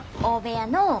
大部屋の。